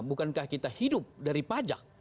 bukankah kita hidup dari pajak